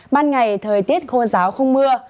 ban ngày thời tiết khô ráo không mưa